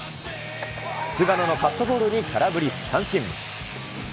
菅野のカットボールに空振り三振。